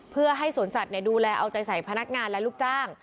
เพื่อให้สวนสัตว์ดูแลเอาใจใส่พนักงานและลูกจ้าง